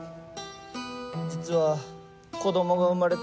実は子どもが生まれたんです。